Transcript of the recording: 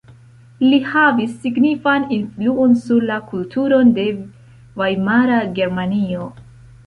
Li havis signifan influon sur la kulturon de Vajmara Germanio.